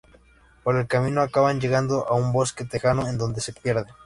Por el camino acaban llegando a un bosque tejano en donde se pierden.